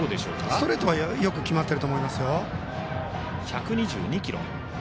ストレートはよく決まっていると思いますよ。